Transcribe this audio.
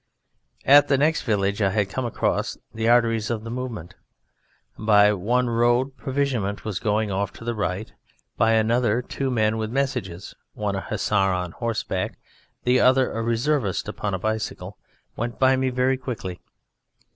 At the next village I had come across the arteries of the movement. By one road provisionment was going off to the right; by another two men with messages, one a Hussar on horseback, the other a Reservist upon a bicycle, went by me very quickly.